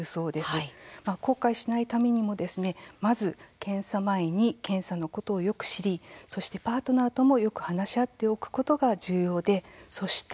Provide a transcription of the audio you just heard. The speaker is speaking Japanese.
後悔しないためにもまず検査前に検査のことをよく知りそしてパートナーともよく話し合っておくことが重要でそして